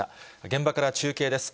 現場から中継です。